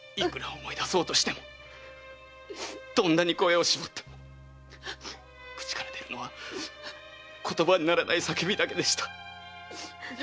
いくら思い出そうとしてもどんなに声を絞っても口から出るのは言葉にならない叫びだけでした！